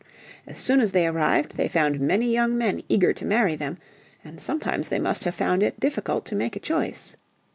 As soon as they arrived they found many young men eager to marry them, and sometimes they must have found it difficult to make a choice.